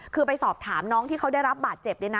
คือไปสอบถามน้องที่เขาได้รับบาดเจ็บ